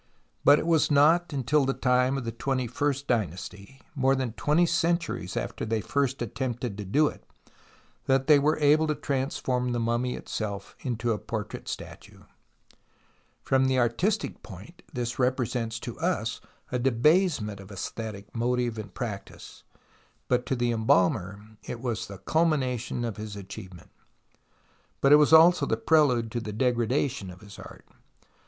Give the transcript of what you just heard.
But it was not E 58 TUTANKHAMEN until the time of the twenty first dynasty, more than twenty centuries after they first attempted to do it, that they were able to transform tlie mummy itself into a portrait statue. From the artistic point this represents to us a debasement of aesthetic motive and practice ; but to the embalmer it was the culmination of his achievement. But it was also the prelude to the degradation of his art.